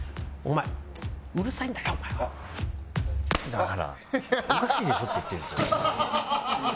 だからおかしいでしょって言ってんですよ。